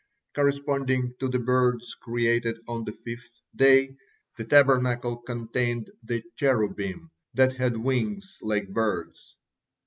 Corresponding to the birds created on the fifth day, the Tabernacle contained the Cherubim, that had wings like birds.